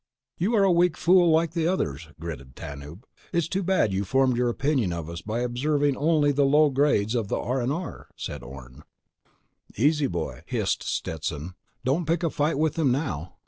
_ "You are a weak fool like the others," gritted Tanub. "It's too bad you formed your opinion of us by observing only the low grades of the R&R," said Orne. "Easy, boy," hissed Stetson. _"Don't pick a fight with him now.